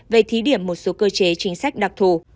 về thí điểm một số cơ chế chính sách đặc thù